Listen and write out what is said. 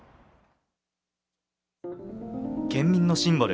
県民のシンボル